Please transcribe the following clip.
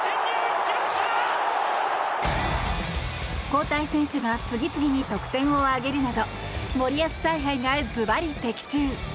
交代選手が次々に得点を挙げるなど森保采配がズバリ的中。